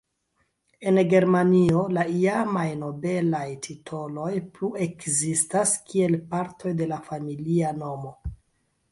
En Germanio la iamaj nobelaj titoloj plu ekzistas kiel partoj de la familia nomo.